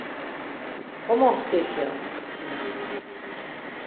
Komoft̆it, ya mtutinak.